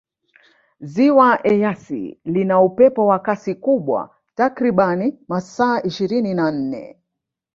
ziwa eyasi lina upepo wa Kasi kubwa takribani masaa ishirini na nne